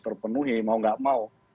terpenuhi mau gak mau